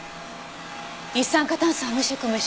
一酸化炭素は無色無臭。